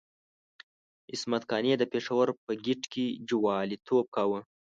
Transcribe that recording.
عصمت قانع د پېښور په ګېټ کې جواليتوب کاوه.